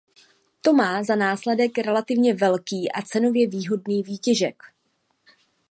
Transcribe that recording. To má za následek relativně velký a cenově výhodný výtěžek.